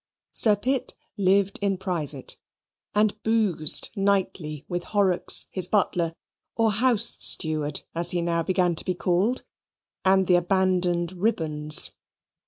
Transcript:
Sir Pitt lived in private, and boozed nightly with Horrocks, his butler or house steward (as he now began to be called), and the abandoned Ribbons.